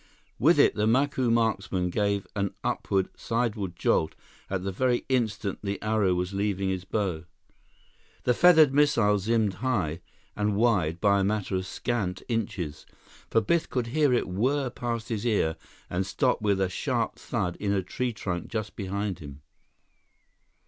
With it, the Macu marksman gave an upward, sideward jolt at the very instant the arrow was leaving his bow. The feathered missile zimmed high and wide by a matter of scant inches, for Biff could hear it whirr past his ear and stop with a sharp thud in a tree trunk just behind him.